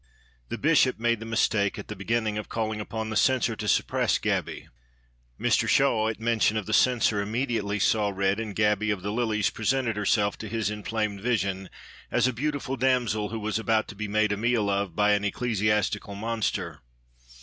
The Bishop made the mistake at the beginning of calling upon the Censor to suppress Gaby. Mr Shaw, at mention of the Censor, immediately saw red, and Gaby of the Lilies presented herself to his inflamed vision as a beautiful damsel who was about to be made a meal of by an ecclesiastical monster.